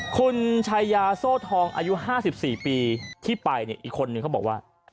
คุณชายาโซ่ทองอายุ๕๔ปีที่ไปเนี่ยอีกคนนึงเขาบอกว่า